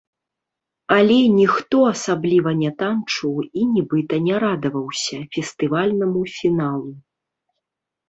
Але ніхто асабліва не танчыў і нібыта не радаваўся фестывальнаму фіналу.